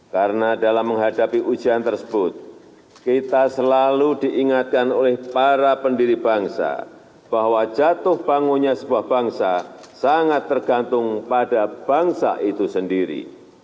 karena dalam menghadapi ujian tersebut kita selalu diingatkan oleh para pendiri bangsa bahwa jatuh bangunnya sebuah bangsa sangat tergantung pada bangsa itu sendiri